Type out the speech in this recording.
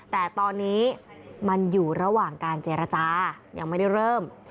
แต่ตอนนี้มันอยู่ระหว่างการเจรจายังไม่ได้เริ่ม